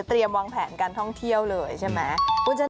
วางแผนการท่องเที่ยวเลยใช่ไหม